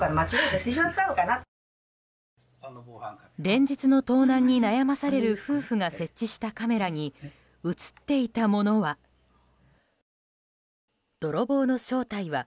連日の盗難に悩まされる夫婦が設置したカメラに映っていたものは？